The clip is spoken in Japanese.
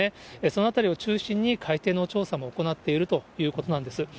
その辺りを中心に海底の調査も行っているということなんです。